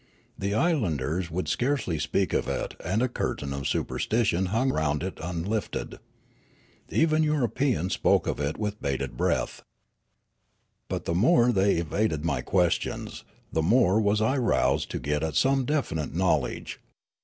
The islanders would scarcely speak of it and a curtain of superstition hung round it unlifted. Even Europeans spoke of it with bated breath. But the more they evaded my questions, the more was I roused to get at some definite knowledge.